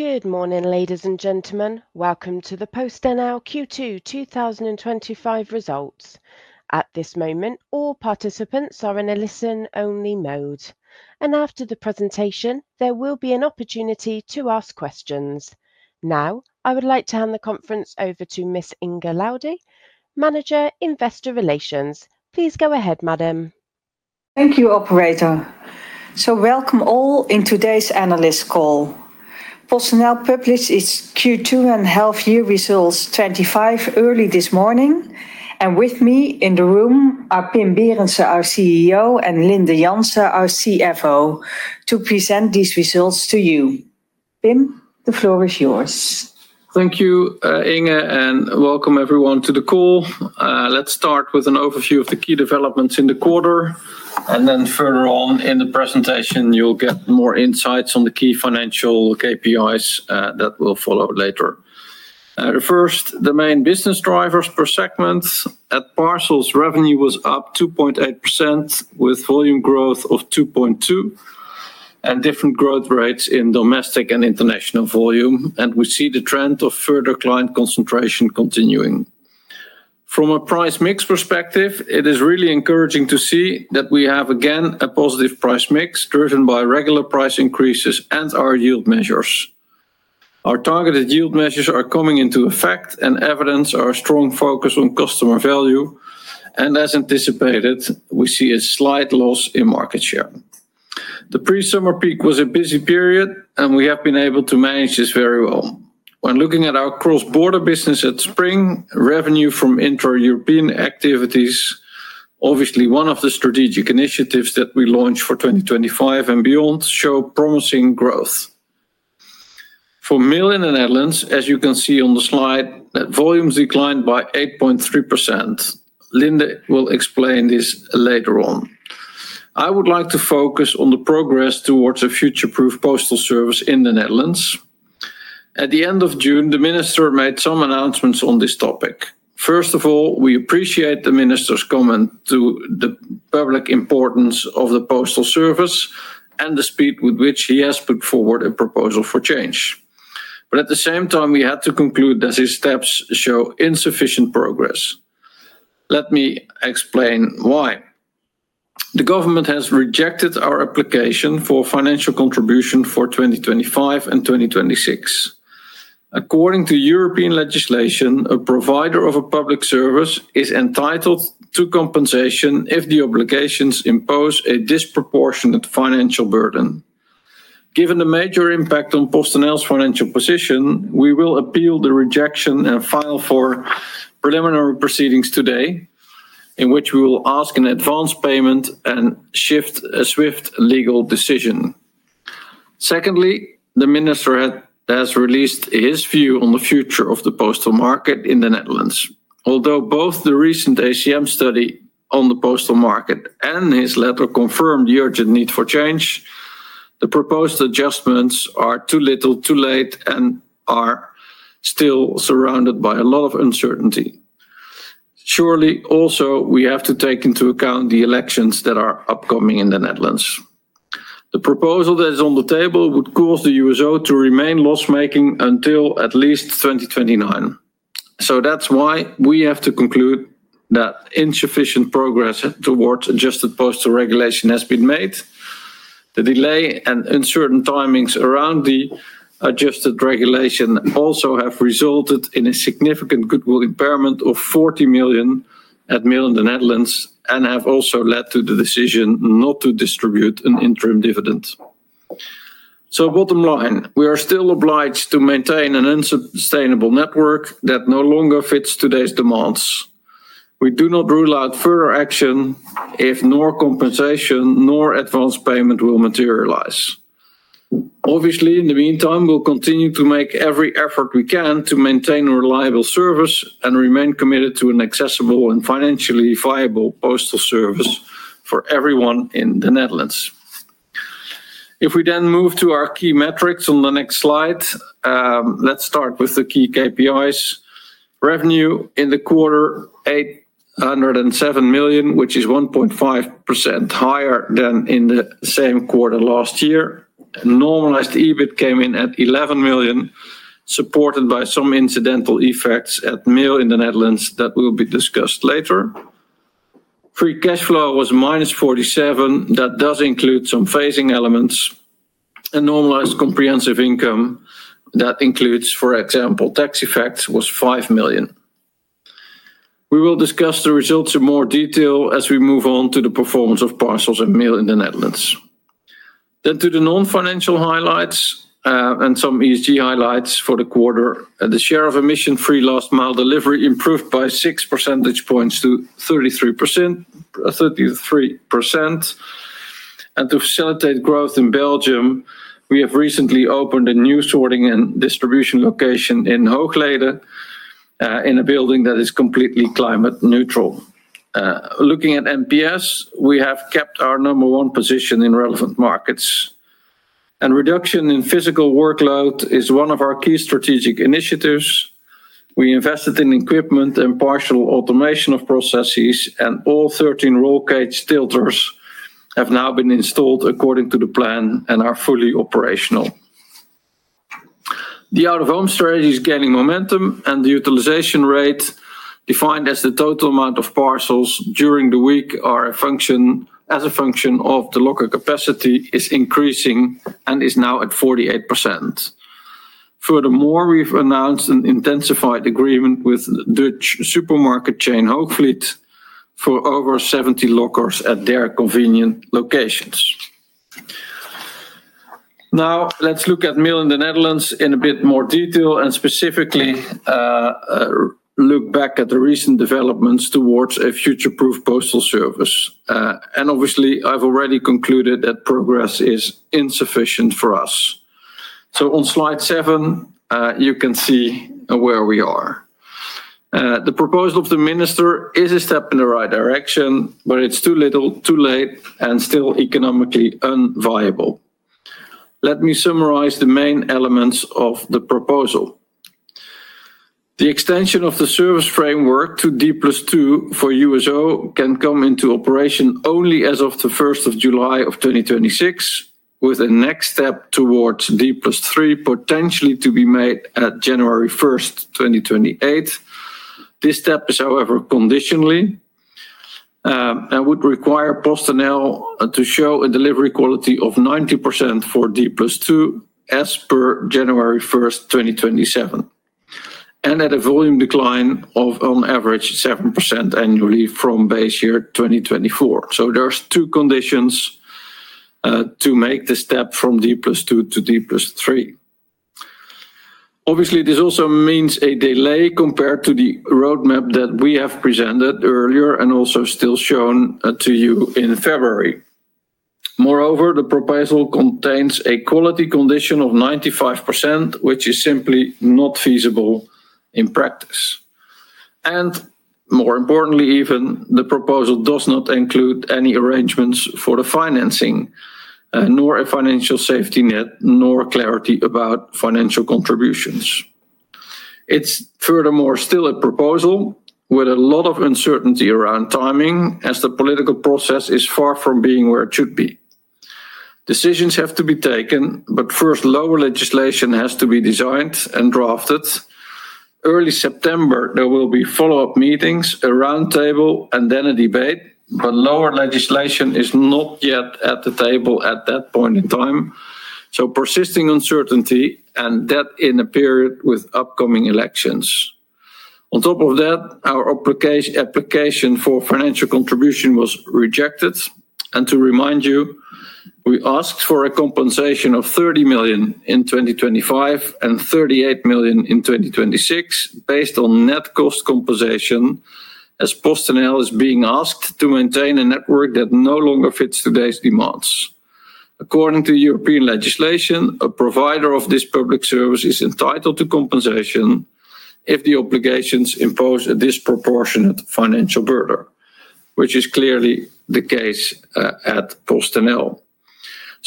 Good morning, ladies and gentlemen. Welcome to the PostNL Q2 2025 results. At this moment, all participants are in a listen-only mode, and after the presentation, there will be an opportunity to ask questions. Now, I would like to hand the conference over to Ms. Inge Laudy, Manager Investor Relations. Please go ahead, madam. Thank you, operator. Welcome all in today's analyst call. PostNL published its Q2 and Half Year Results 2025 early this morning, and with me in the room are Pim Berendsen, our CEO, and Linde Jansen, our CFO, to present these results to you. Pim, the floor is yours. Thank you, Inge, and welcome everyone to the call. Let's start with an overview of the key developments in the quarter, and then further on in the presentation, you'll get more insights on the key financial KPIs that will follow later. First, the main business drivers per segment: at parcels, revenue was up 2.8%, with volume growth of 2.2%, and different growth rates in domestic and international volume, and we see the trend of further client concentration continuing. From a price mix perspective, it is really encouraging to see that we have, again, a positive price mix driven by regular price increases and our yield measures. Our targeted yield measures are coming into effect, and evidence our strong focus on customer value, and as anticipated, we see a slight loss in market share. The pre-summer peak was a busy period, and we have been able to manage this very well. When looking at our cross-border business at Spring, revenue from intra-European activities, obviously one of the strategic initiatives that we launched for 2025 and beyond, showed promising growth. For mail in the Netherlands, as you can see on the slide, volumes declined by 8.3%. Linde will explain this later on. I would like to focus on the progress towards a future-proof postal service in the Netherlands. At the end of June, the minister made some announcements on this topic. First of all, we appreciate the minister's comment to the public importance of the postal service and the speed with which he has put forward a proposal for change. At the same time, we had to conclude that his steps show insufficient progress. Let me explain why. The government has rejected our application for financial contribution for 2025 and 2026. According to European legislation, a provider of a public service is entitled to compensation if the obligations impose a disproportionate financial burden. Given the major impact on PostNL's financial position, we will appeal the rejection and file for preliminary proceedings today, in which we will ask an advance payment and a swift legal decision. Secondly, the minister has released his view on the future of the postal market in the Netherlands. Although both the recent ACM study on the postal market and his letter confirmed the urgent need for change, the proposed adjustments are too little, too late, and are still surrounded by a lot of uncertainty. Surely, also, we have to take into account the elections that are upcoming in the Netherlands. The proposal that is on the table would cause the Universal Service Obligation to remain loss-making until at least 2029. That's why we have to conclude that insufficient progress towards adjusted postal regulation has been made. The delay and uncertain timings around the adjusted regulation also have resulted in a significant goodwill impairment of 40 million at Mail in the Netherlands and have also led to the decision not to distribute an interim dividend. Bottom line, we are still obliged to maintain an unsustainable network that no longer fits today's demands. We do not rule out further action if nor compensation nor advance payment will materialize. Obviously, in the meantime, we'll continue to make every effort we can to maintain a reliable service and remain committed to an accessible and financially viable postal service for everyone in the Netherlands. If we then move to our key metrics on the next slide, let's start with the key KPIs. Revenue in the quarter: 807 million, which is 1.5% higher than in the same quarter last year. Normalized EBIT came in at 11 million, supported by some incidental effects at Mail in the Netherlands that will be discussed later. Free cash flow was minus 47 million. That does include some phasing elements. Normalized comprehensive income, that includes, for example, tax effects, was 5 million. We will discuss the results in more detail as we move on to the performance of Parcels and Mail in the Netherlands. To the non-financial highlights and some ESG highlights for the quarter, the share of emission-free last-mile delivery improved by 6% points to 33%. To facilitate growth in Belgium, we have recently opened a new sorting and distribution location in Hooglede, in a building that is completely climate neutral. Looking at NPS, we have kept our number one position in relevant markets. Reduction in physical workload is one of our key strategic initiatives. We invested in equipment and partial automation of processes, and all 13 roll cage tilters have now been installed according to the plan and are fully operational. The out-of-home strategy is gaining momentum, and the utilization rate, defined as the total amount of parcels during the week as a function of the locker capacity, is increasing and is now at 48%. Furthermore, we've announced an intensified agreement with the Dutch supermarket chain Hoogvliet for over 70 lockers at their convenient locations. Now, let's look at mail in the Netherlands in a bit more detail and specifically look back at the recent developments towards a future-proof postal service. Obviously, I've already concluded that progress is insufficient for us. On slide 7, you can see where we are. The proposal of the minister is a step in the right direction, but it's too little, too late, and still economically unviable. Let me summarize the main elements of the proposal. The extension of the service framework to D+2 for the Universal Service Obligation can come into operation only as of July 1, 2026, with a next step towards D+3 potentially to be made at January 1, 2028. This step is, however, conditional and would require PostNL to show a delivery quality of 90% for D+2 as per January 1, 2027, and at a volume decline of on average 7% annually from base year 2024. There are two conditions to make the step from D+2 to D+3. Obviously, this also means a delay compared to the roadmap that we have presented earlier and also still shown to you in February. Moreover, the proposal contains a quality condition of 95%, which is simply not feasible in practice. More importantly, the proposal does not include any arrangements for the financing, nor a financial safety net, nor clarity about financial contributions. It is furthermore still a proposal with a lot of uncertainty around timing, as the political process is far from being where it should be. Decisions have to be taken, but first, lower legislation has to be designed and drafted. Early September, there will be follow-up meetings, a roundtable, and then a debate, but lower legislation is not yet at the table at that point in time. Persisting uncertainty remains in a period with upcoming elections. On top of that, our application for financial contribution was rejected. To remind you, we asked for a compensation of 30 million in 2025 and 38 million in 2026, based on net cost compensation, as PostNL is being asked to maintain a network that no longer fits today's demands. According to European legislation, a provider of this public service is entitled to compensation if the obligations impose a disproportionate financial burden, which is clearly the case at PostNL.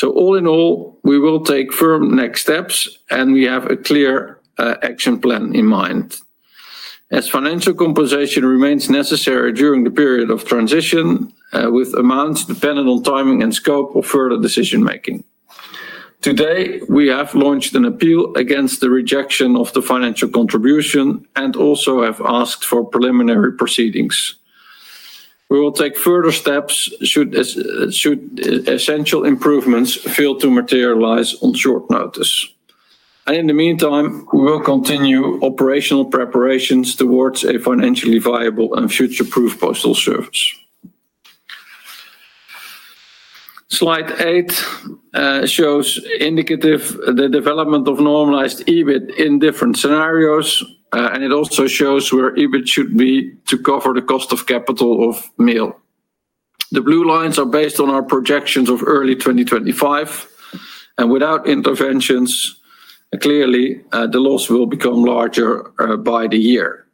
All in all, we will take firm next steps, and we have a clear action plan in mind. As financial compensation remains necessary during the period of transition, with amounts dependent on timing and scope of further decision-making. Today, we have launched an appeal against the rejection of the financial contribution and also have asked for preliminary proceedings. We will take further steps should essential improvements fail to materialize on short notice. In the meantime, we will continue operational preparations towards a financially viable and future-proof postal service. Slide 8 shows, indicatively, the development of normalized EBIT in different scenarios, and it also shows where EBIT should be to cover the cost of capital of mail. The blue lines are based on our projections of early 2025, and without interventions, clearly, the loss will become larger by the year.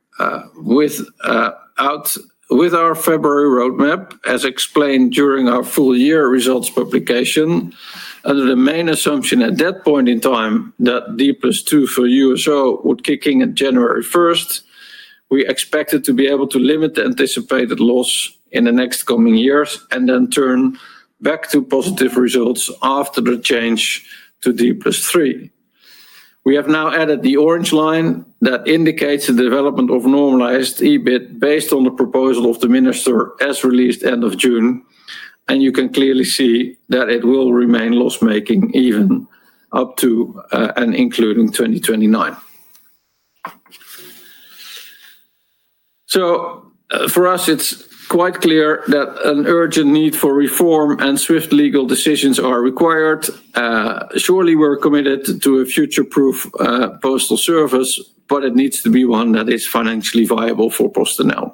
With our February roadmap, as explained during our full year results publication, under the main assumption at that point in time that D+2 for USO would kick in on January 1, we expected to be able to limit the anticipated loss in the next coming years and then turn back to positive results after the change to D+3. We have now added the orange line that indicates the development of normalized EBIT based on the proposal of the minister as released end of June, and you can clearly see that it will remain loss-making even up to and including 2029. For us, it's quite clear that an urgent need for reform and swift legal decisions are required. Surely, we're committed to a future-proof postal service, but it needs to be one that is financially viable for PostNL.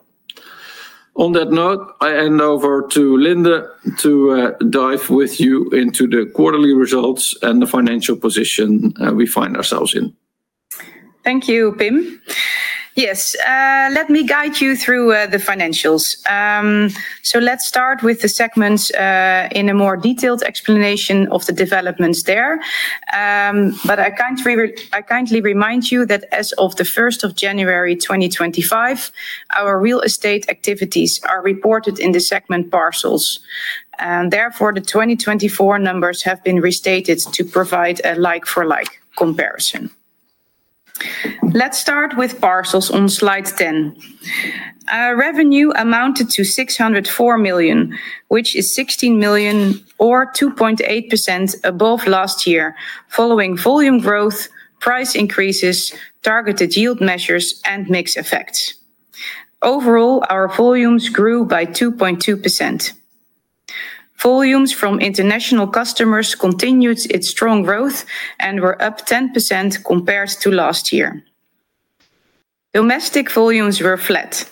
On that note, I hand over to Linde to dive with you into the quarterly results and the financial position we find ourselves in. Thank you, Pim. Yes, let me guide you through the financials. Let's start with the segments in a more detailed explanation of the developments there. I kindly remind you that as of January 1, 2025, our real estate activities are reported in the segment parcels. Therefore, the 2024 numbers have been restated to provide a like-for-like comparison. Let's start with parcels on slide 10. Revenue amounted to 604 million, which is 16 million or 2.8% above last year, following volume growth, price increases, targeted yield measures, and mix effects. Overall, our volumes grew by 2.2%. Volumes from international customers continued its strong growth and were up 10% compared to last year. Domestic volumes were flat.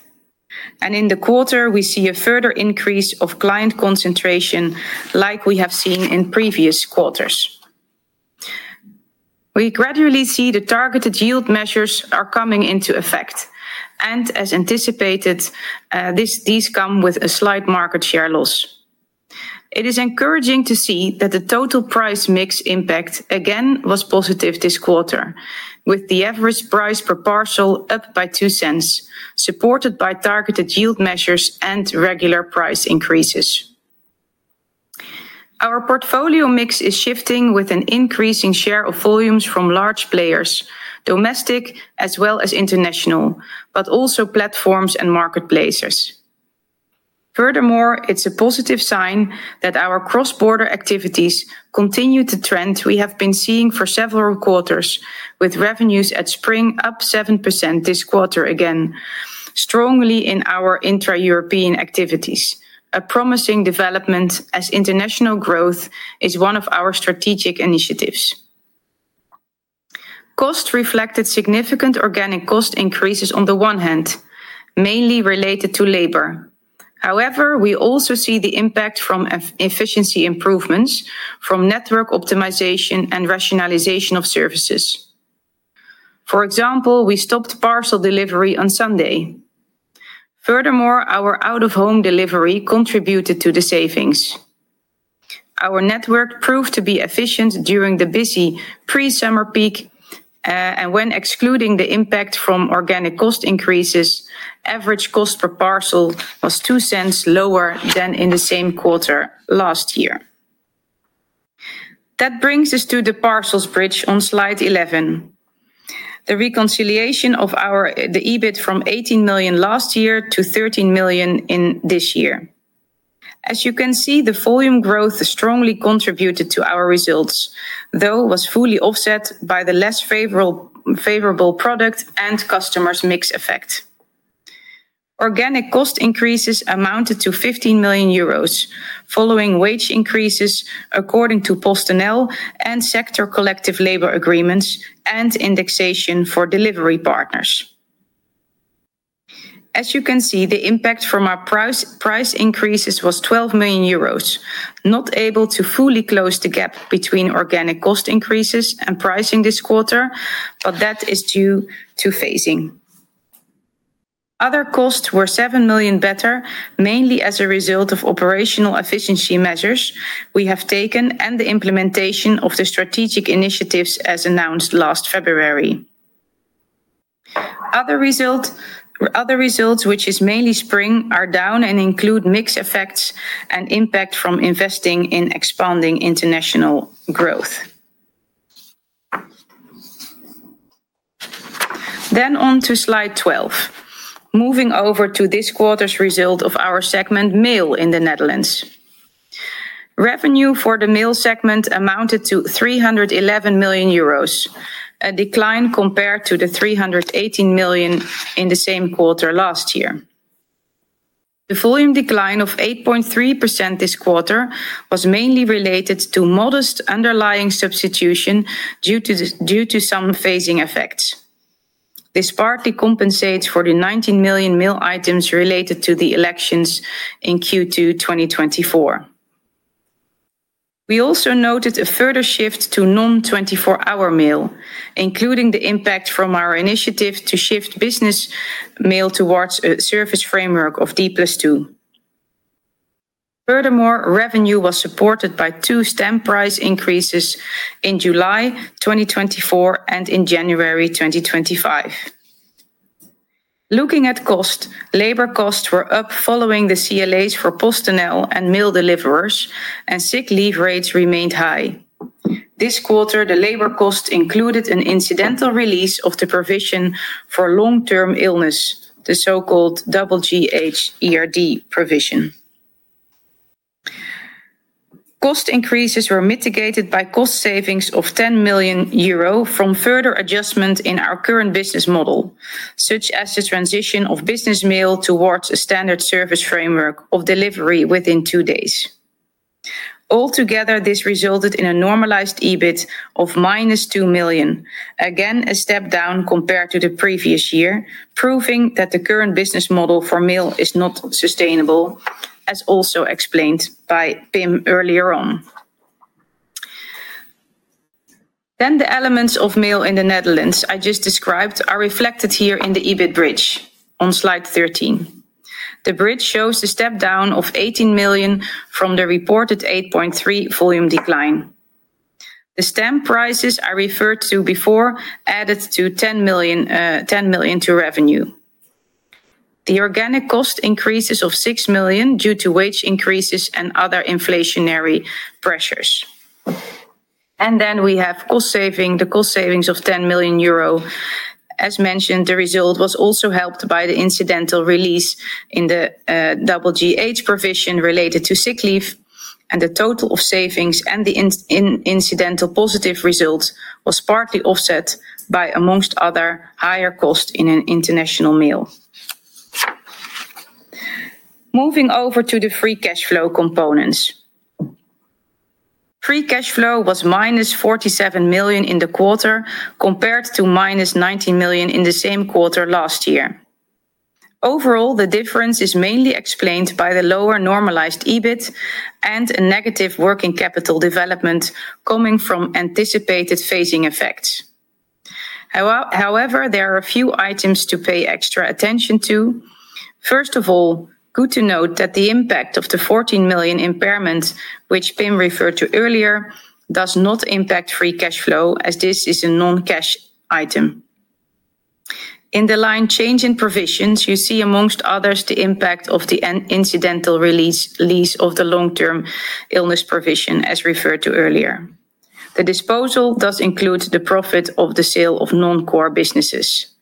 In the quarter, we see a further increase of client concentration, like we have seen in previous quarters. We gradually see the targeted yield measures are coming into effect. As anticipated, these come with a slight market share loss. It is encouraging to see that the total price mix impact, again, was positive this quarter, with the average price per parcel up by 0.02, supported by targeted yield measures and regular price increases. Our portfolio mix is shifting with an increasing share of volumes from large players, domestic as well as international, but also platforms and marketplaces. Furthermore, it's a positive sign that our cross-border activities continue the trends we have been seeing for several quarters, with revenues at Spring up 7% this quarter again, strongly in our intra-European activities. A promising development as international growth is one of our strategic initiatives. Costs reflected significant organic cost increases on the one hand, mainly related to labor. However, we also see the impact from efficiency improvements from network optimization and rationalization of services. For example, we stopped parcel delivery on Sunday. Furthermore, our out-of-home delivery contributed to the savings. Our network proved to be efficient during the busy pre-summer peak, and when excluding the impact from organic cost increases, average cost per parcel was 0.02 lower than in the same quarter last year. That brings us to the parcels bridge on slide 11. The reconciliation of the EBIT from 18 million last year to 13 million in this year. As you can see, the volume growth strongly contributed to our results, though was fully offset by the less favorable product and customers' mix effect. Organic cost increases amounted to 15 million euros, following wage increases according to PostNL and sector collective labor agreements and indexation for delivery partners. As you can see, the impact from our price increases was 12 million euros, not able to fully close the gap between organic cost increases and pricing this quarter, but that is due to phasing. Other costs were 7 million better, mainly as a result of operational efficiency measures we have taken and the implementation of the strategic initiatives as announced last February. Other results, which are mainly Spring, are down and include mix effects and impact from investing in expanding international growth. On to slide 12. Moving over to this quarter's result of our segment, mail in the Netherlands. Revenue for the mail segment amounted to 311 million euros, a decline compared to the 318 million in the same quarter last year. The volume decline of 8.3% this quarter was mainly related to modest underlying substitution due to some phasing effects. This partly compensates for the 19 million mail items related to the elections in Q2 2024. We also noted a further shift to non-24-hour mail, including the impact from our initiative to shift business mail towards a service framework of D+2. Furthermore, revenue was supported by two stamp price increases in July 2024 and in January 2025. Looking at cost, labor costs were up following the CLAs for PostNL and mail deliverers, and sick leave rates remained high. This quarter, the labor cost included an incidental release of the provision for long-term illness, the so-called double GHERD provision. Cost increases were mitigated by cost savings of 10 million euro from further adjustments in our current business model, such as the transition of business mail towards a standard service framework of delivery within two days. Altogether, this resulted in a normalized EBIT of minus 2 million, again a step down compared to the previous year, proving that the current business model for mail is not sustainable, as also explained by Pim earlier on. The elements of mail in the Netherlands I just described are reflected here in the EBIT bridge on slide 13. The bridge shows the step down of 18 million from the reported 8.3% volume decline. The stamp prices I referred to before added 10 million to revenue. The organic cost increases of 6 million due to wage increases and other inflationary pressures. We have the cost savings of 10 million euro. As mentioned, the result was also helped by the incidental release in the double GH provision related to sick leave, and the total of savings and the incidental positive results were partly offset by, amongst others, higher costs in an international mail. Moving over to the free cash flow components, free cash flow was -47 million in the quarter compared to -19 million in the same quarter last year. Overall, the difference is mainly explained by the lower normalized EBIT and a negative working capital development coming from anticipated phasing effects. However, there are a few items to pay extra attention to. First of all, good to note that the impact of the 14 million impairment, which Pim referred to earlier, does not impact free cash flow, as this is a non-cash item. In the line "Changing Provisions," you see, amongst others, the impact of the incidental release of the long-term illness provision, as referred to earlier. The disposal does include the profit of the sale of non-core businesses.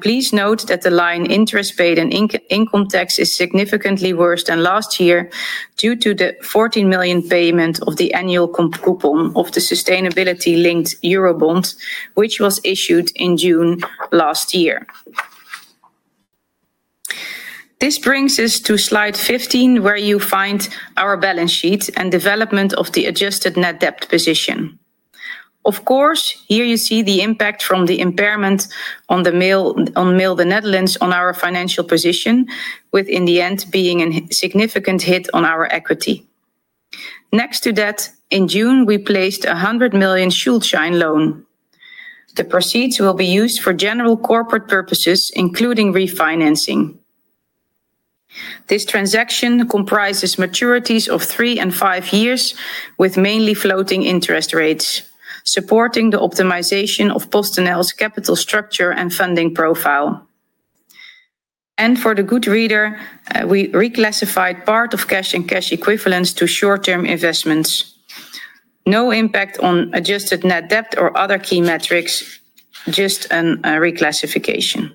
Please note that the line "Interest Paid and Income Tax" is significantly worse than last year due to the 14 million payment of the annual coupon of the sustainability-linked Eurobonds, which was issued in June last year. This brings us to slide 15, where you find our balance sheet and development of the adjusted net debt position. Here you see the impact from the impairment on the mail in the Netherlands on our financial position, with, in the end, being a significant hit on our equity. Next to that, in June, we placed a 100 million Schuldschein loan. The proceeds will be used for general corporate purposes, including refinancing. This transaction comprises maturities of three and five years, with mainly floating interest rates, supporting the optimization of PostNL's capital structure and funding profile. For the good reader, we reclassified part of cash and cash equivalents to short-term investments. No impact on adjusted net debt or other key metrics, just a reclassification.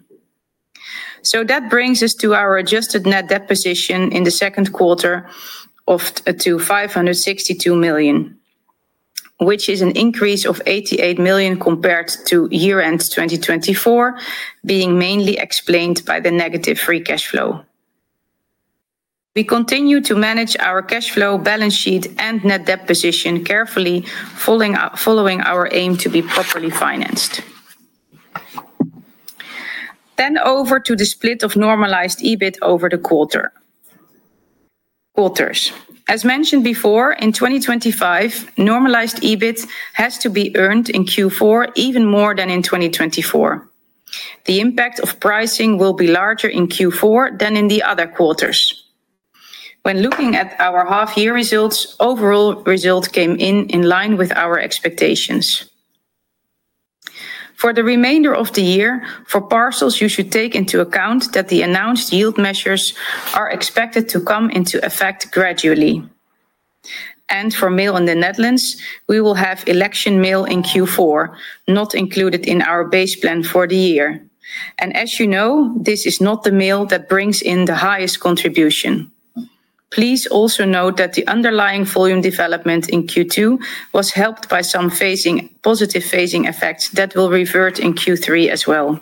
That brings us to our adjusted net debt position in the second quarter to 562 million, which is an increase of 88 million compared to year-end 2024, being mainly explained by the negative free cash flow. We continue to manage our cash flow, balance sheet, and net debt position carefully, following our aim to be properly financed. Over to the split of normalized EBIT over the quarters. As mentioned before, in 2025, normalized EBIT has to be earned in Q4 even more than in 2024. The impact of pricing will be larger in Q4 than in the other quarters. When looking at our half-year results, overall results came in in line with our expectations. For the remainder of the year, for parcels, you should take into account that the announced yield measures are expected to come into effect gradually. For mail in the Netherlands, we will have election mail in Q4, not included in our base plan for the year. As you know, this is not the mail that brings in the highest contribution. Please also note that the underlying volume development in Q2 was helped by some positive phasing effects that will revert in Q3 as well.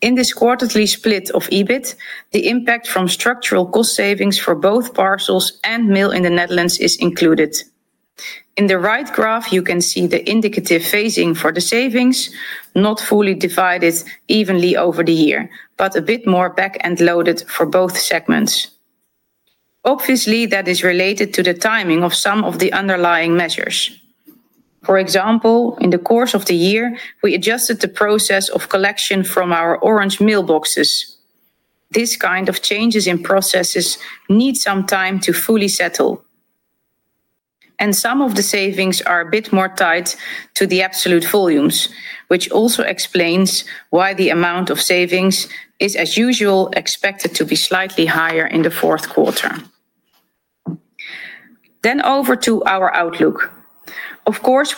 In this quarterly split of EBIT, the impact from structural cost savings for both parcels and mail in the Netherlands is included. In the right graph, you can see the indicative phasing for the savings, not fully divided evenly over the year, but a bit more back-end loaded for both segments. Obviously, that is related to the timing of some of the underlying measures. For example, in the course of the year, we adjusted the process of collection from our orange mail boxes. These kinds of changes in processes need some time to fully settle. Some of the savings are a bit more tied to the absolute volumes, which also explains why the amount of savings is, as usual, expected to be slightly higher in the fourth quarter. Over to our outlook.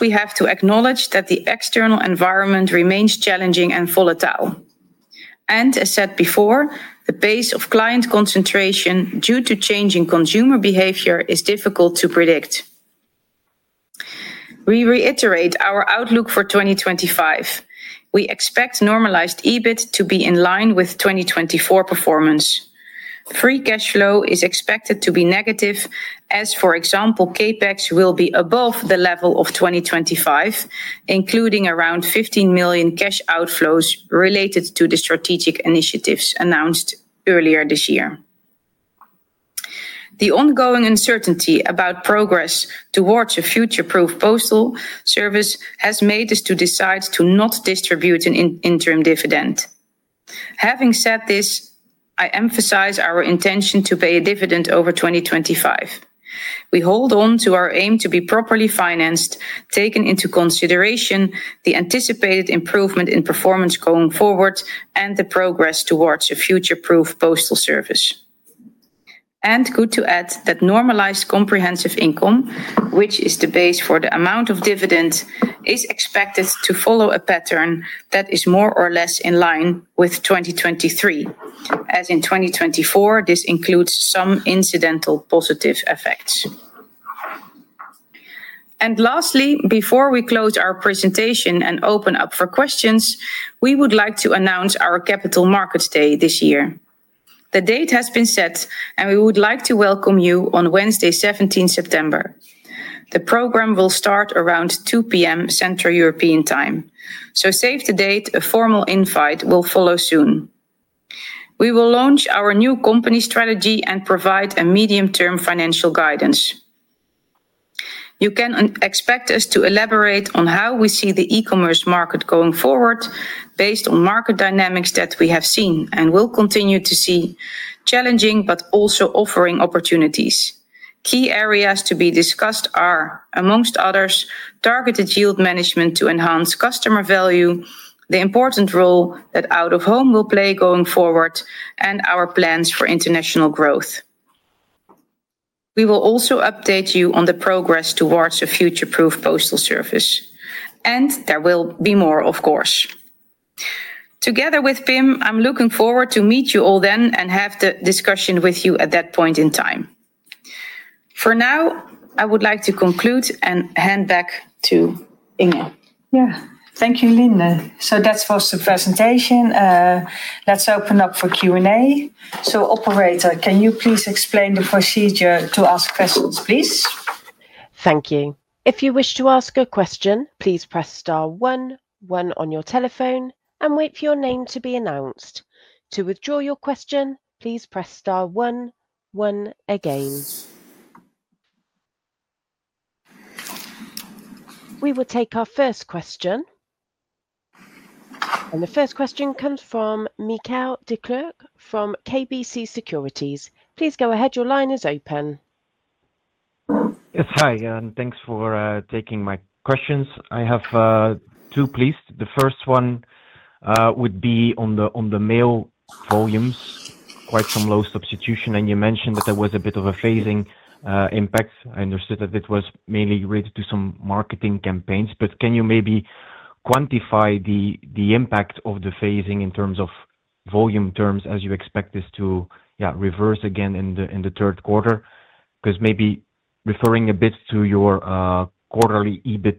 We have to acknowledge that the external environment remains challenging and volatile. As said before, the pace of client concentration due to changing consumer behavior is difficult to predict. We reiterate our outlook for 2025. We expect normalized EBIT to be in line with 2024 performance. Free cash flow is expected to be negative, as for example, CapEx will be above the level of 2025, including around 15 million cash outflows related to the strategic initiatives announced earlier this year. The ongoing uncertainty about progress towards a future-proof postal service has made us decide to not distribute an interim dividend. Having said this, I emphasize our intention to pay a dividend over 2025. We hold on to our aim to be properly financed, taking into consideration the anticipated improvement in performance going forward and the progress towards a future-proof postal service. It is good to add that normalized comprehensive income, which is the base for the amount of dividend, is expected to follow a pattern that is more or less in line with 2023. In 2024, this includes some incidental positive effects. Lastly, before we close our presentation and open up for questions, we would like to announce our Capital Markets Day this year. The date has been set, and we would like to welcome you on Wednesday, 17 September. The program will start around 2:00 P.M. Central European Time. Please save the date. A formal invite will follow soon. We will launch our new company strategy and provide a medium-term financial guidance. You can expect us to elaborate on how we see the e-commerce market going forward, based on market dynamics that we have seen and will continue to see, challenging but also offering opportunities. Key areas to be discussed are, amongst others, targeted yield management to enhance customer value, the important role that out-of-home will play going forward, and our plans for international growth. We will also update you on the progress towards a future-proof postal service. There will be more, of course. Together with Pim, I'm looking forward to meet you all then and have the discussion with you at that point in time. For now, I would like to conclude and hand back to Inge. Thank you, Linde. That was the presentation. Let's open up for Q&A. Operator, can you please explain the procedure to ask questions, please? Thank you. If you wish to ask a question, please press star one, one on your telephone and wait for your name to be announced. To withdraw your question, please press star one, one again. We will take our first question. The first question comes from Michiel Declercq from KBC Securities. Please go ahead, your line is open. Yes, hi, thanks for taking my questions. I have two, please. The first one would be on the mail volumes, quite some low substitution, and you mentioned that there was a bit of a phasing impact. I understood that it was mainly related to some marketing campaigns, but can you maybe quantify the impact of the phasing in terms of volume terms as you expect this to reverse again in the third quarter? Because maybe referring a bit to your quarterly EBIT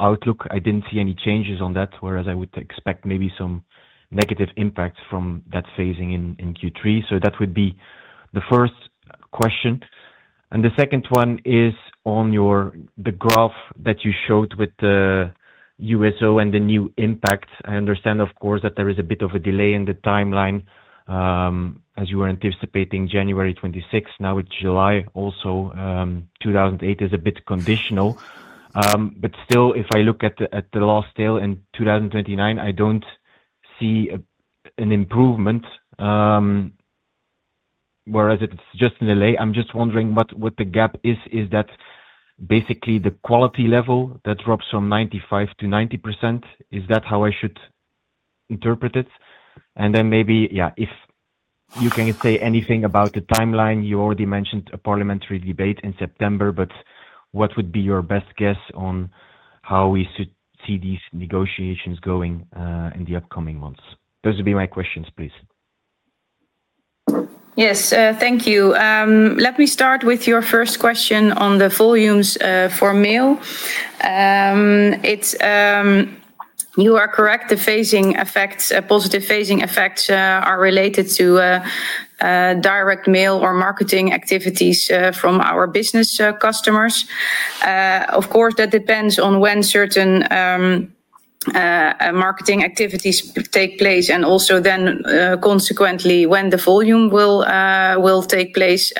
outlook, I didn't see any changes on that, whereas I would expect maybe some negative impacts from that phasing in Q3. That would be the first question. The second one is on the graph that you showed with the USO and the new impact. I understand, of course, that there is a bit of a delay in the timeline, as you were anticipating January 26, now it's July also. 2028 is a bit conditional. If I look at the last tail in 2029, I don't see an improvement, whereas it's just a delay. I'm just wondering what the gap is. Is that basically the quality level that drops from 95% to 90%? Is that how I should interpret it? If you can say anything about the timeline, you already mentioned a parliamentary debate in September, but what would be your best guess on how we should see these negotiations going in the upcoming months? Those would be my questions, please. Yes, thank you. Let me start with your first question on the volumes for mail. You are correct, the positive phasing effects are related to direct mail or marketing activities from our business customers. Of course, that depends on when certain marketing activities take place and also then consequently when the volume will take place.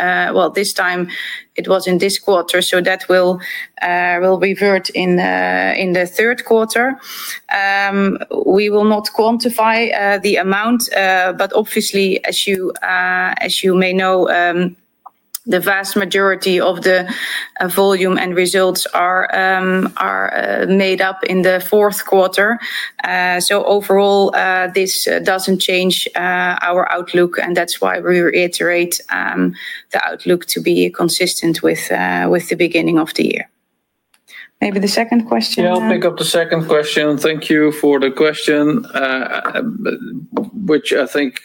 This time it was in this quarter, so that will revert in the third quarter. We will not quantify the amount, but obviously, as you may know, the vast majority of the volume and results are made up in the fourth quarter. Overall, this doesn't change our outlook, and that's why we reiterate the outlook to be consistent with the beginning of the year. Maybe the second question? Yeah, I'll pick up the second question. Thank you for the question, which I think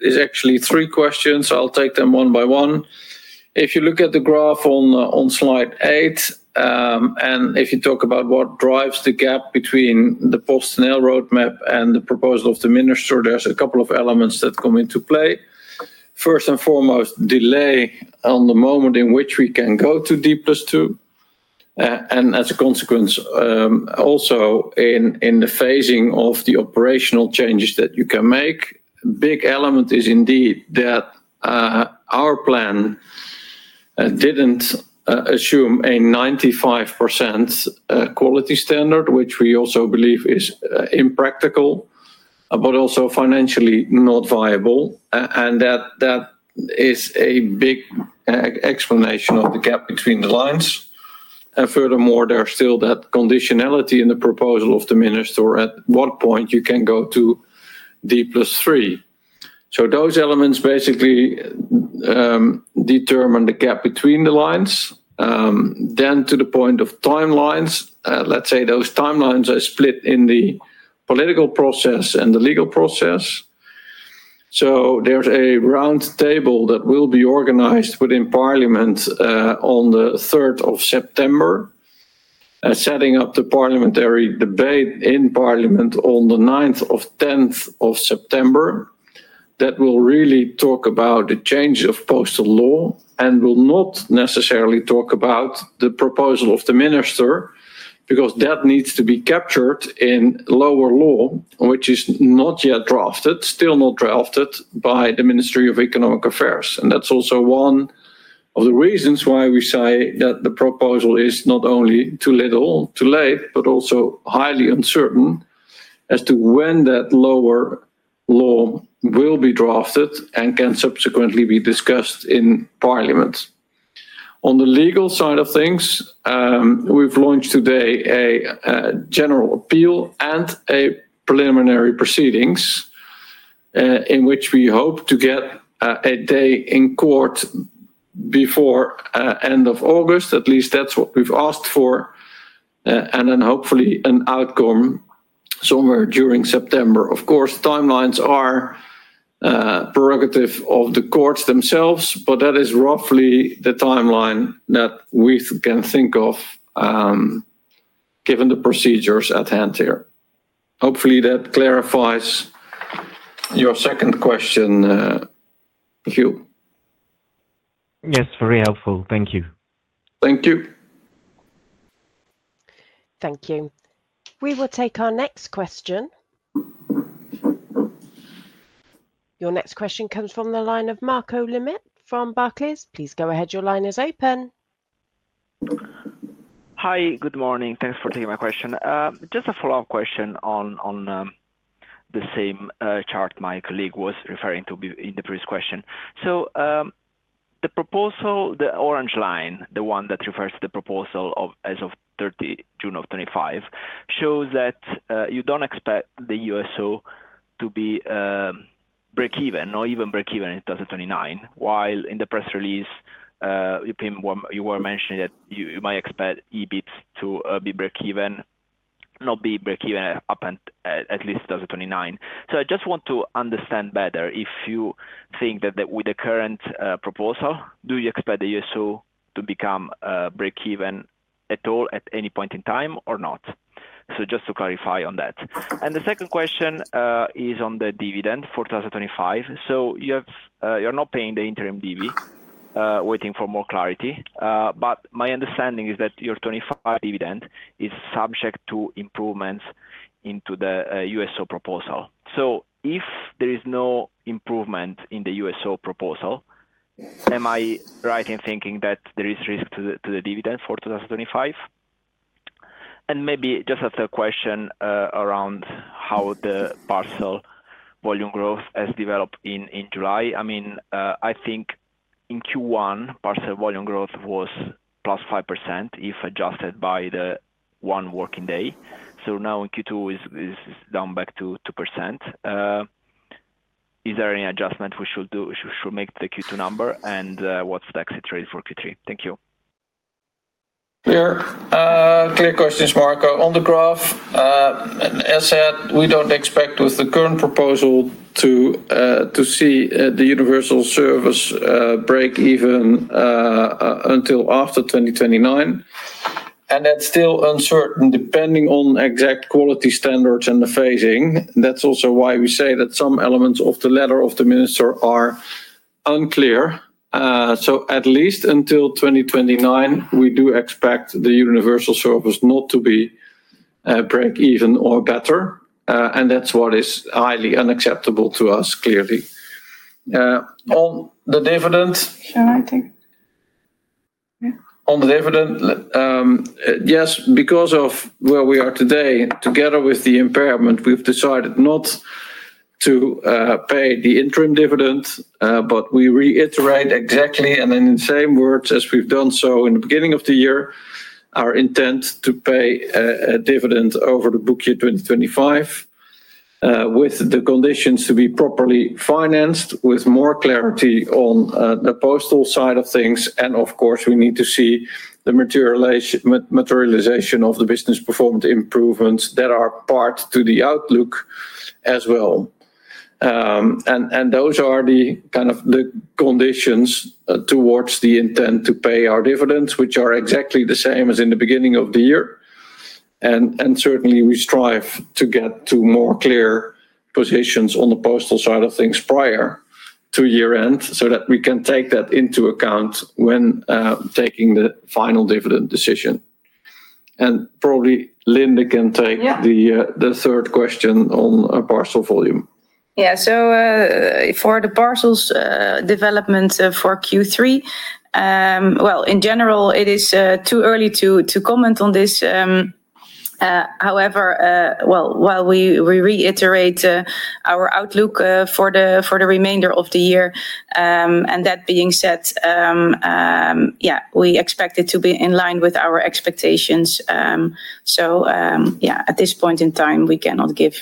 is actually three questions. I'll take them one by one. If you look at the graph on slide eight, and if you talk about what drives the gap between the PostNL roadmap and the proposal of the minister, there's a couple of elements that come into play. First and foremost, delay on the moment in which we can go to D+2. As a consequence, also in the phasing of the operational changes that you can make, a big element is indeed that our plan didn't assume a 95% quality standard, which we also believe is impractical, but also financially not viable. That is a big explanation of the gap between the lines. Furthermore, there's still that conditionality in the proposal of the minister at what point you can go to D+3. Those elements basically determine the gap between the lines. To the point of timelines, let's say those timelines are split in the political process and the legal process. There's a roundtable that will be organized within Parliament on the 3rd of September, setting up the parliamentary debate in Parliament on the 9th or 10th of September that will really talk about the changes of postal law and will not necessarily talk about the proposal of the minister because that needs to be captured in lower law, which is not yet drafted, still not drafted by the Ministry of Economic Affairs. That's also one of the reasons why we say that the proposal is not only too little, too late, but also highly uncertain as to when that lower law will be drafted and can subsequently be discussed in Parliament. On the legal side of things, we've launched today a general appeal and a preliminary proceedings in which we hope to get a day in court before the end of August. At least that's what we've asked for. Hopefully an outcome somewhere during September. Of course, timelines are a prerogative of the courts themselves, but that is roughly the timeline that we can think of given the procedures at hand here. Hopefully, that clarifies your second question, Michiel. Yes, very helpful. Thank you. Thank you. Thank you. We will take our next question. Your next question comes from the line of Marco Limite from Barclays. Please go ahead, your line is open. Hi, good morning. Thanks for taking my question. Just a follow-up question on the same chart my colleague was referring to in the previous question. The proposal, the orange line, the one that refers to the proposal as of June of 2025, shows that you don't expect the USO to be break-even, not even break-even in 2029, while in the press release, you were mentioning that you might expect EBIT to be break-even, not be break-even up at least 2029. I just want to understand better if you think that with the current proposal, do you expect the USO to become break-even at all at any point in time or not? Just to clarify on that. The second question is on the dividend for 2025. You're not paying the interim dividend, waiting for more clarity, but my understanding is that your 2025 dividend is subject to improvements into the USO proposal. If there is no improvement in the USO proposal, am I right in thinking that there is risk to the dividend for 2025? Maybe just as a question around how the parcel volume growth has developed in July. I think in Q1, parcel volume growth was +5% if adjusted by the one working day. Now in Q2, it's down back to 2%. Is there any adjustment we should make to the Q2 number and what's the exit rate for Q3? Thank you. Yeah, three questions, Marco. On the graph, as I said, we don't expect with the current proposal to see the Universal Service break even until after 2029. That's still uncertain depending on exact quality standards and the phasing. That's also why we say that some elements of the letter of the minister are unclear. At least until 2029, we do expect the Universal Service not to be break-even or better. That's what is highly unacceptable to us, clearly. On the dividend, yes, because of where we are today, together with the impairment, we've decided not to pay the interim dividend, but we reiterate exactly and in the same words as we've done so in the beginning of the year, our intent to pay a dividend over the book year 2025 with the conditions to be properly financed, with more clarity on the postal side of things. We need to see the materialization of the business performed improvements that are part of the outlook as well. Those are the kind of conditions towards the intent to pay our dividends, which are exactly the same as in the beginning of the year. We certainly strive to get to more clear positions on the postal side of things prior to year-end so that we can take that into account when taking the final dividend decision. Probably Linde can take the third question on parcel volume. For the parcels development for Q3, in general, it is too early to comment on this. However, we reiterate our outlook for the remainder of the year, and that being said, we expect it to be in line with our expectations. At this point in time, we cannot give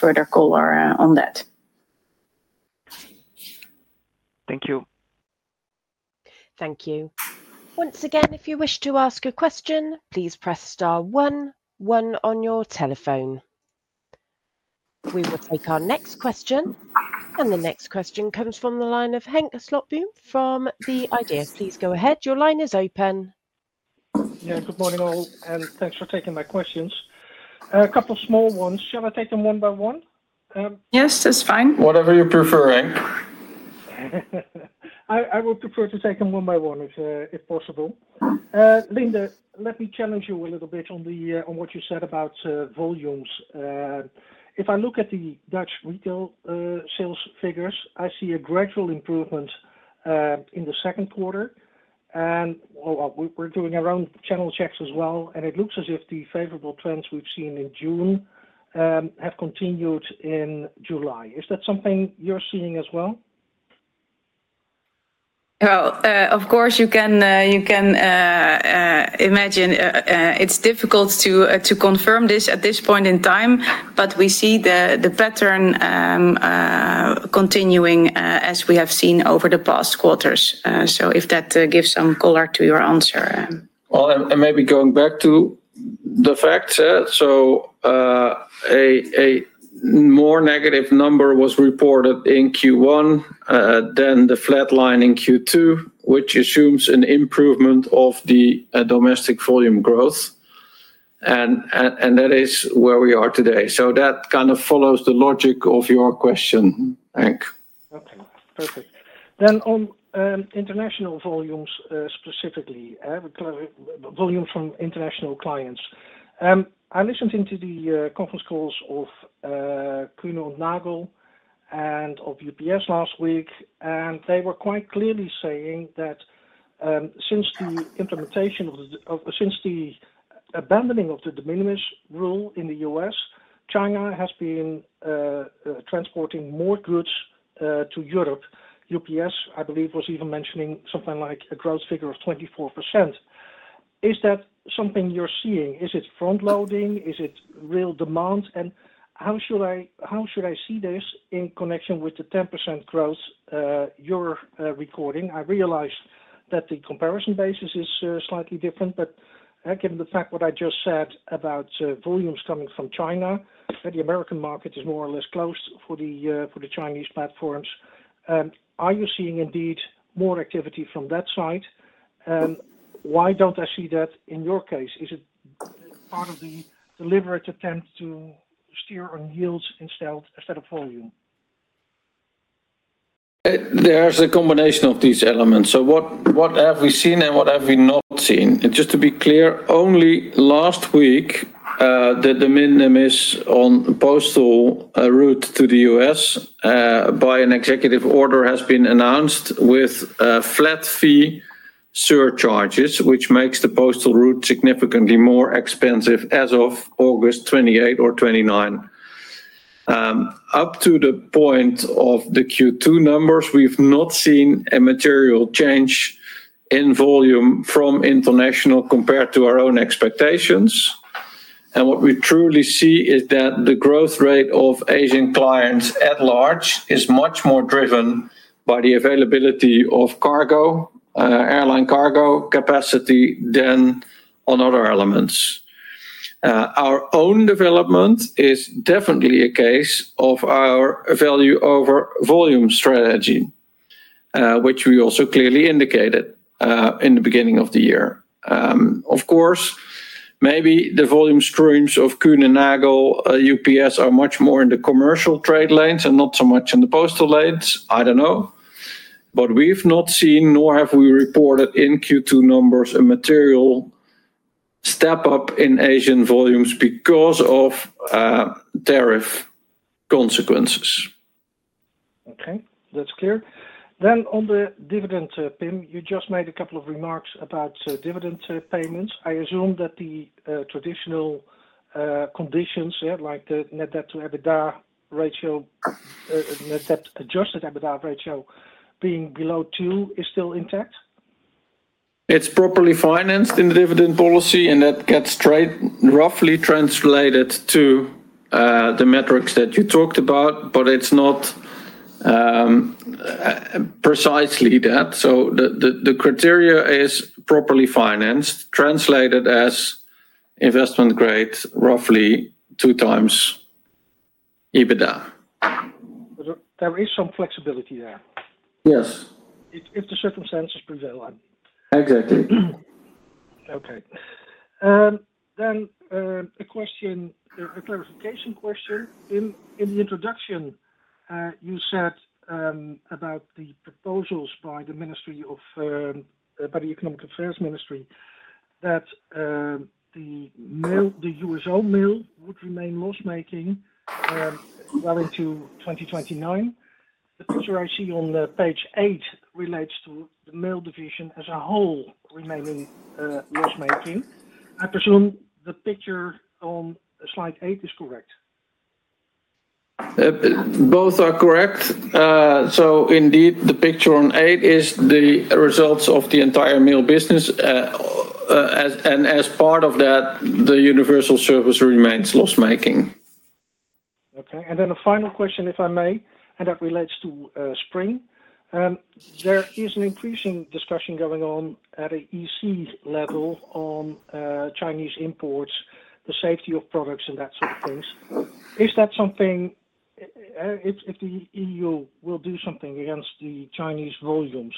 further color on that. Thank you. Thank you. Once again, if you wish to ask a question, please press star one, one on your telephone. We will take our next question. The next question comes from the line of Henk Slotboom from Kepler Cheuvreux. Please go ahead, your line is open. Good morning all, and thanks for taking my questions. A couple of small ones. Shall I take them one by one? Yes, that's fine. Whatever you prefer, Henk. I would prefer to take them one by one if possible. Linde, let me challenge you a little bit on what you said about volumes. If I look at the Dutch retail sales figures, I see a gradual improvement in the second quarter. We're doing our own channel checks as well, and it looks as if the favorable trends we've seen in June have continued in July. Is that something you're seeing as well? Of course, you can imagine it's difficult to confirm this at this point in time, but we see the pattern continuing as we have seen over the past quarters. If that gives some color to your answer. Maybe going back to the facts, a more negative number was reported in Q1 than the flat line in Q2, which assumes an improvement of the domestic volume growth. That is where we are today. That kind of follows the logic of your question, Henk. Okay, perfect. On international volumes specifically, volumes from international clients. I listened into the conference calls of Kuehne + Nagel and of UPS last week, and they were quite clearly saying that since the abandoning of the de minimis rule in the U.S., China has been transporting more goods to Europe. UPS, I believe, was even mentioning something like a gross figure of 24%. Is that something you're seeing? Is it front-loading? Is it real demand? How should I see this in connection with the 10% growth you're recording? I realize that the comparison basis is slightly different, but given the fact what I just said about volumes coming from China, the American market is more or less closed for the Chinese platforms. Are you seeing indeed more activity from that side? Why don't I see that in your case? Is it part of the deliberate attempt to steer on yields instead of volume? There's a combination of these elements. What have we seen and what have we not seen? Just to be clear, only last week did the de minimis on postal route to the U.S. by an executive order get announced with flat fee surcharges, which makes the postal route significantly more expensive as of August 28 or 29. Up to the point of the Q2 numbers, we've not seen a material change in volume from international compared to our own expectations. What we truly see is that the growth rate of Asian clients at large is much more driven by the availability of airline cargo capacity than on other elements. Our own development is definitely a case of our value over volume strategy, which we also clearly indicated in the beginning of the year. Of course, maybe the volume streams of Kuehne + Nagel and UPS are much more in the commercial trade lanes and not so much in the postal lanes. I don't know. We've not seen, nor have we reported in Q2 numbers, a material step up in Asian volumes because of tariff consequences. Okay, that's clear. On the dividend, Pim, you just made a couple of remarks about dividend payments. I assume that the traditional conditions, like the net debt to EBITDA ratio, net debt adjusted EBITDA ratio being below 2, is still intact? It's properly financed in the dividend policy, and that gets roughly translated to the metrics that you talked about, but it's not precisely that. The criteria is properly financed, translated as investment grade, roughly two times EBITDA. There is some flexibility there. Yes. If the circumstances prevail. I agree. Okay. A clarification question. In the introduction, you said about the proposals by the Ministry of Economic Affairs that the USO mail would remain loss-making well into 2029. The picture I see on page eight relates to the mail division as a whole remaining loss-making. I presume the picture on slide eight is correct. Both are correct. Indeed, the picture on eight is the results of the entire mail business, and as part of that, the Universal Service remains loss-making. Okay. A final question, if I may, relates to Spring. There is an increasing discussion going on at an EC level on Chinese imports, the safety of products, and that sort of things. Is that something, if the EU will do something against the Chinese volumes,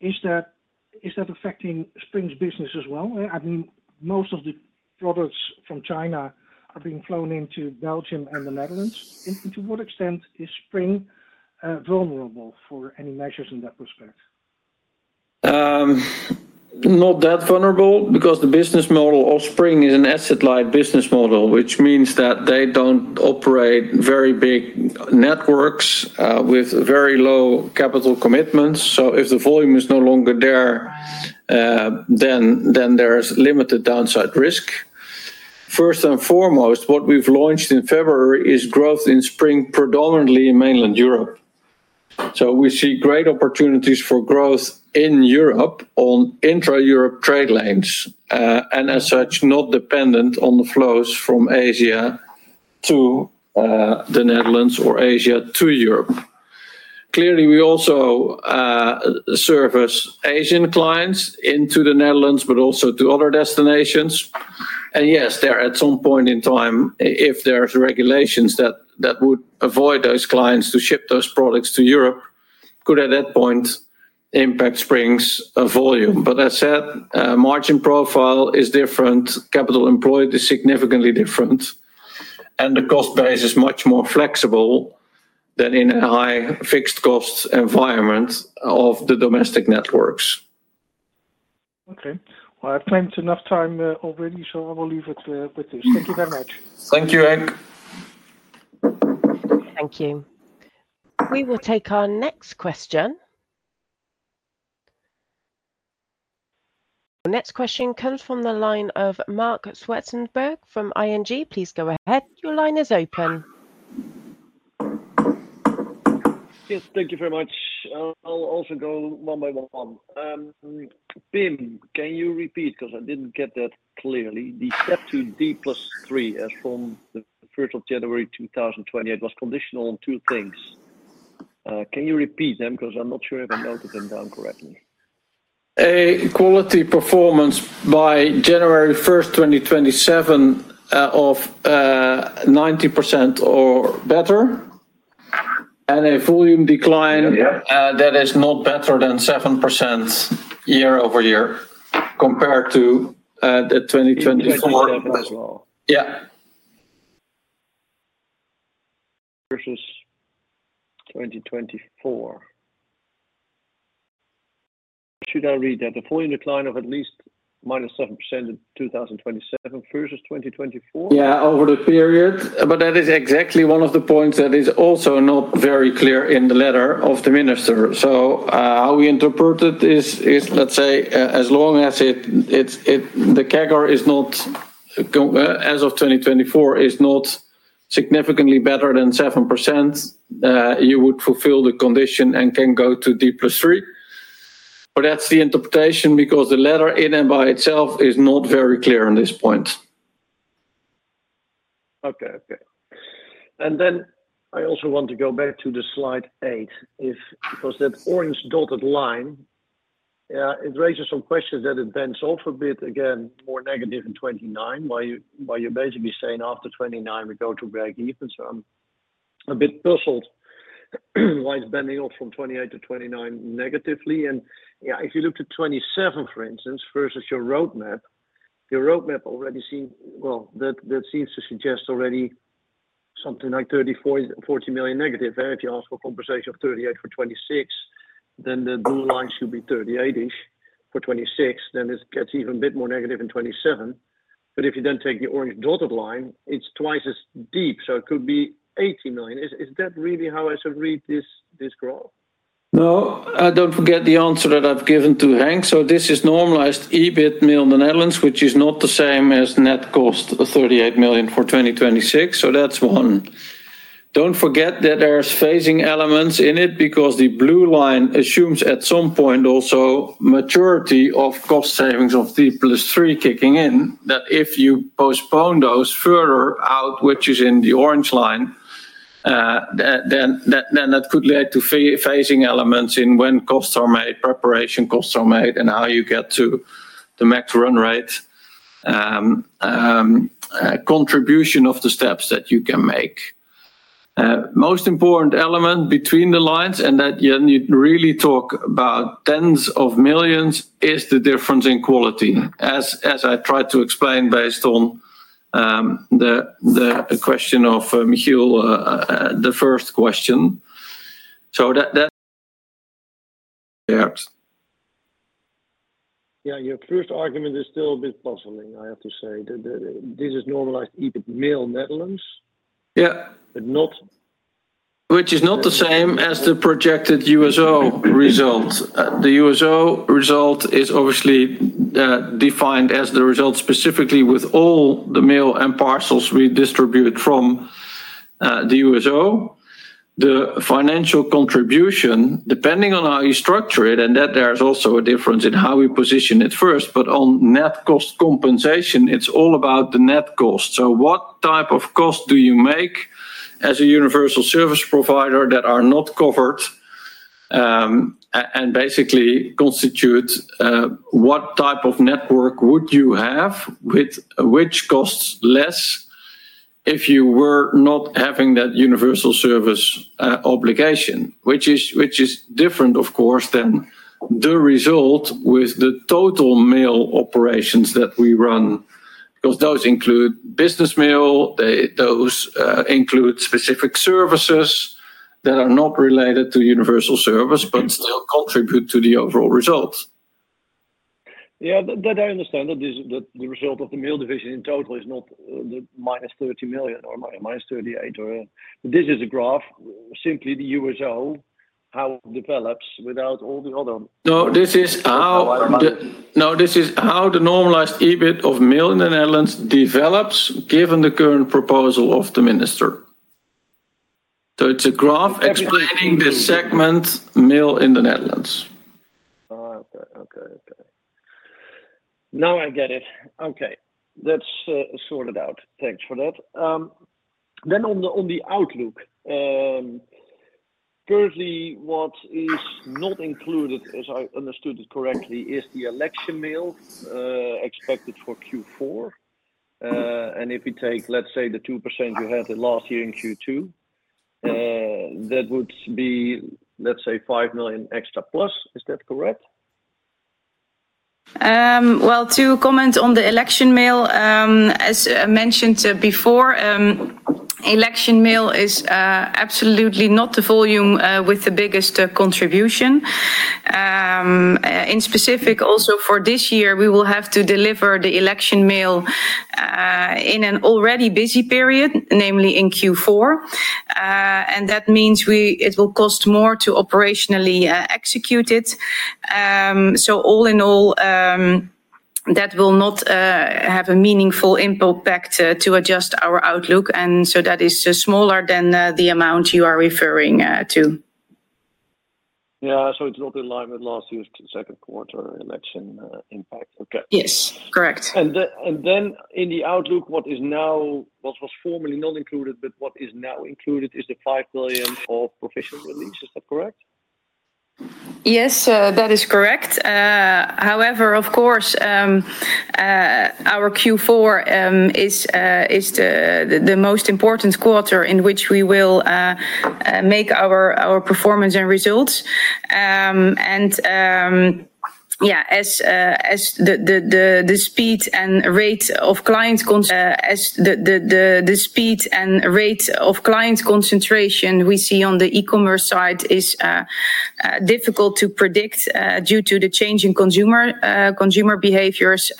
is that affecting Spring's business as well? I mean, most of the products from China are being flown into Belgium and the Netherlands. To what extent is Spring vulnerable for any measures in that respect? Not that vulnerable because the business model of Spring is an asset-light business model, which means that they don't operate very big networks with very low capital commitments. If the volume is no longer there, then there's limited downside risk. First and foremost, what we've launched in February is growth in Spring, predominantly in mainland Europe. We see great opportunities for growth in Europe on intra-Europe trade lanes and as such, not dependent on the flows from Asia to the Netherlands or Asia to Europe. Clearly, we also service Asian clients into the Netherlands, but also to other destinations. At some point in time, if there's regulations that would avoid those clients to ship those products to Europe, it could at that point impact Spring's volume. As I said, margin profile is different. Capital employed is significantly different. The cost base is much more flexible than in a high fixed cost environment of the domestic networks. Okay. I have claimed enough time already, so I will leave it with this. Thank you very much. Thank you, Inge. Thank you. We will take our next question. Our next question comes from the line of Mark Schwarzenberg from ING. Please go ahead. Your line is open. Yes, thank you very much. I'll also go one by one. Pim, can you repeat because I didn't get that clearly? The step to D+3 as from the 1st of January 2028 was conditional on two things. Can you repeat them because I'm not sure if I noted them down correctly? A quality performance by January 1, 2027, of 90% or better, and a volume decline that is not better than 7% year-over-year compared to 2024. I'll get that as well. Yeah. Versus 2024. Should I read that the volume decline of at least -7% in 2027 versus 2024? Over the period, that is exactly one of the points that is also not very clear in the letter of the minister. How we interpret it is, let's say, as long as the CAGR is not, as of 2024, significantly better than 7%, you would fulfill the condition and can go to D+3. That's the interpretation because the letter in and by itself is not very clear on this point. Okay. I also want to go back to slide eight because that orange dotted line, it raises some questions that it bends off a bit, again, more negative in 2029, while you're basically saying after 2029 we go to break even. I'm a bit puzzled why it's bending off from 2028 to 2029 negatively. If you looked at 2027, for instance, versus your roadmap, your roadmap already seemed, that seems to suggest already something like 30 million, 40 million, 40 million negative. If you ask for a compensation of 38 million for 2026, then the blue line should be 38 million-ish for 2026. It gets even a bit more negative in 2027. If you then take the orange dotted line, it's twice as deep. It could be 80 million. Is that really how I should read this graph? No, don't forget the answer that I've given to Henk. This is normalized EBIT Mail in the Netherlands, which is not the same as net cost of 38 million for 2026. That's one. Don't forget that there are phasing elements in it because the blue line assumes at some point also maturity of cost savings of D+3 kicking in. If you postpone those further out, which is in the orange line, that could lead to phasing elements in when costs are made, preparation costs are made, and how you get to the max run rate, contribution of the steps that you can make. The most important element between the lines, and that you really talk about tens of millions, is the difference in quality, as I tried to explain based on the question of Michiel, the first question. Yeah, your first argument is still a bit puzzling, I have to say. This is normalized EBIT Mail Netherlands, yeah, but not. Which is not the same as the projected USO result. The USO result is obviously defined as the result specifically with all the mail and parcels we distribute from the USO. The financial contribution, depending on how you structure it, and that there's also a difference in how we position it first, but on net cost compensation, it's all about the net cost. What type of cost do you make as a universal service provider that are not covered and basically constitute what type of network would you have with which costs less if you were not having that Universal Service Obligation, which is different, of course, than the result with the total mail operations that we run. Those include business mail, those include specific services that are not related to universal service, but still contribute to the overall result. Yeah, I understand that the result of the Mail division in total is not the minus 30 million or minus 38 million. This is a graph, simply the Universal Service Obligation, how it develops without all the other. No, this is how the normalized EBIT of mail in the Netherlands develops, given the current proposal of the minister. It's a graph explaining the segment mail in the Netherlands. Okay, that's sorted out. Thanks for that. On the outlook, currently what is not included, as I understood it correctly, is the election mail expected for Q4. If you take, let's say, the 2% you had last year in Q2, that would be, let's say, 5 million extra plus. Is that correct? To comment on the election mail, as mentioned before, election mail is absolutely not the volume with the biggest contribution. In specific, also for this year, we will have to deliver the election mail in an already busy period, namely in Q4. That means it will cost more to operationally execute it. All in all, that will not have a meaningful impact to adjust our outlook. That is smaller than the amount you are referring to. Yeah, it's not in line with last year's second quarter election impact. Yes, correct. In the outlook, what is now, what was formerly not included but what is now included is the 5 million of professional releases. Is that correct? Yes, that is correct. Of course, our Q4 is the most important quarter in which we will make our performance and results. As the speed and rate of client concentration we see on the e-commerce side is difficult to predict due to the changing consumer behaviors,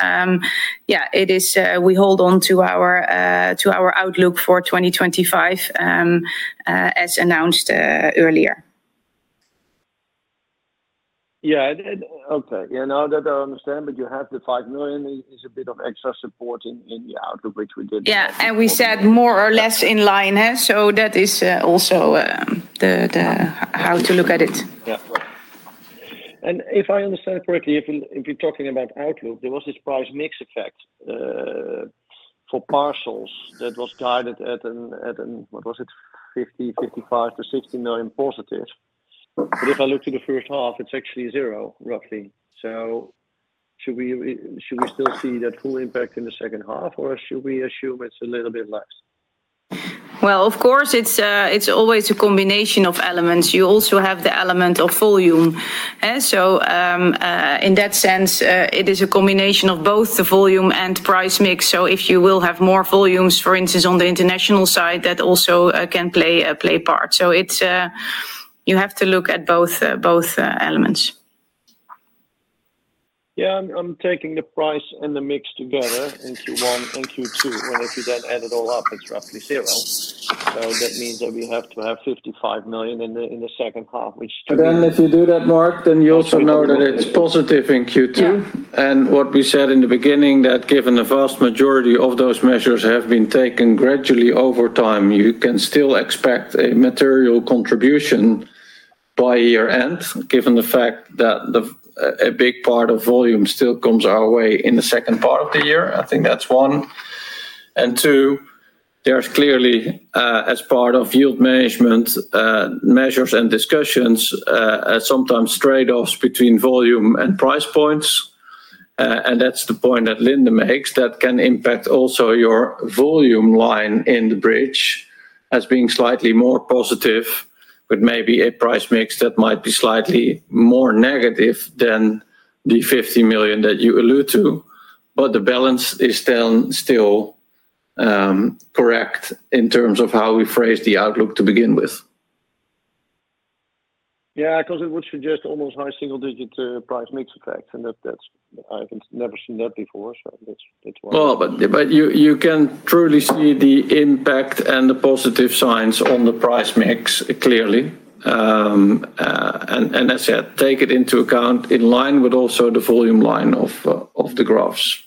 we hold on to our outlook for 2025 as announced earlier. Okay, now that I understand, you have the 5 million as a bit of extra support in the outlook, which we did. Yeah, we said more or less in line. That is also how to look at it. If I understand correctly, if you're talking about outlook, there was this price mix effect for parcels that was guided at 50 million, 55 million to 60 million positive. If I look to the first half, it's actually zero, roughly. Should we still see that full impact in the second half, or should we assume it's a little bit less? Of course, it's always a combination of elements. You also have the element of volume. In that sense, it is a combination of both the volume and price mix. If you will have more volumes, for instance, on the international side, that also can play a part. You have to look at both elements. Yeah, I'm taking the price and the mix together in Q1, in Q2. If you then add it all up, it's roughly zero. That means that we have to have 55 million in the second half, which. If you do that, Mark, you also know that it's positive in Q2. What we said in the beginning is that, given the vast majority of those measures have been taken gradually over time, you can still expect a material contribution by year-end, given the fact that a big part of volume still comes our way in the second part of the year. I think that's one. Two, there's clearly, as part of yield management measures and discussions, sometimes trade-offs between volume and price points. That's the point that Linde makes, that can impact also your volume line in the bridge as being slightly more positive, with maybe a price mix that might be slightly more negative than the 50 million that you allude to. The balance is still correct in terms of how we phrase the outlook to begin with. Yeah, because it would suggest almost high single-digit price mix effects. That's, I've never seen that before. You can truly see the impact and the positive signs on the price mix clearly, and as I said, take it into account in line with also the volume line of the graphs.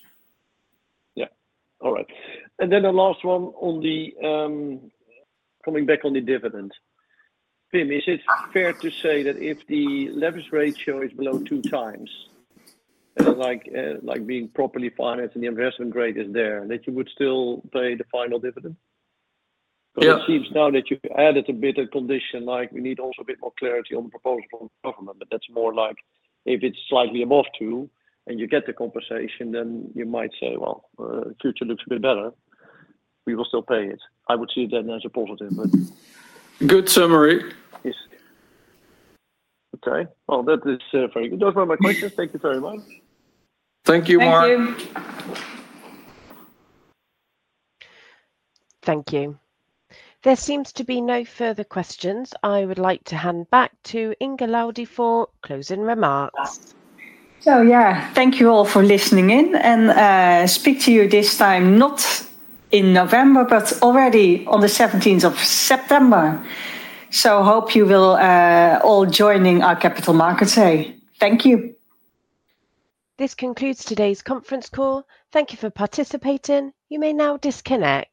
All right. The last one on the, coming back on the dividend. Pim, is it fair to say that if the leverage ratio is below two times, like being properly financed and the investment grade is there, that you would still pay the final dividend? Yeah. It seems now that you added a bit of condition, like we need also a bit more clarity on the proposal from the government. That's more like if it's slightly above two and you get the compensation, you might say the future looks a bit better. We will still pay it. I would see that as a positive. Good summary. Yes. Okay. That is very good. Those were my questions. Thank you very much. Thank you, Mark. Thank you. Thank you. There seems to be no further questions. I would like to hand back to Inge Laudy for closing remarks. Thank you all for listening in and speak to you this time, not in November, but already on the 17th of September. Hope you will all join in our Capital Markets Day. Thank you. This concludes today's conference call. Thank you for participating. You may now disconnect.